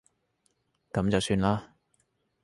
噉就算啦